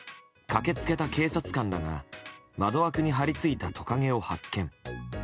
駆け付けた警察官らが窓枠に張り付いたトカゲを発見。